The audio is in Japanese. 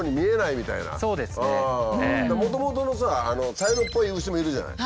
もともとのさ茶色っぽい牛もいるじゃない。